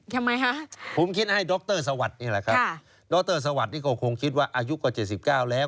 ทำไมคะผมคิดให้ดรสวัสดิ์นี่แหละครับดรสวัสดินี่ก็คงคิดว่าอายุก็๗๙แล้ว